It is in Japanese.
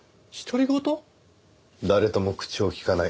誰とも口を利かない。